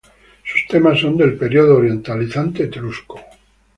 Sus temas son del periodo orientalizante etrusco.